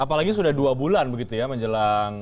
apalagi sudah dua bulan begitu ya menjelang